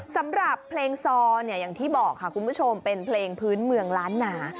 สำหรับเพลงซอเนี่ยอย่างที่บอกค่ะคุณผู้ชมเป็นเพลงพื้นเมืองล้านนา